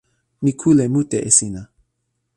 mi kule mute e sina.